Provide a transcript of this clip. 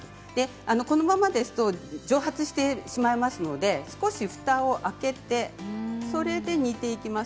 このままだと蒸発してしまいますので、少しふたを開けてそれで煮ていきます。